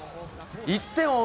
１点を追う